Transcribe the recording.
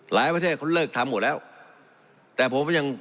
ประเทศเขาเลิกทำหมดแล้วแต่ผมยัง